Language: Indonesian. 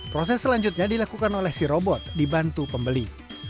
proses selanjutnya dilakukan oleh si robot dibantu pembeli